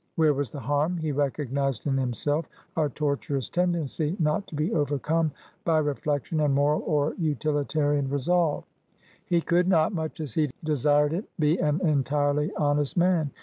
Where was the harm? He recognised in himself a tortuous tendency, not to be overcome by reflection and moral or utilitarian resolve. He could not, much as he desired it, be an entirely honest man.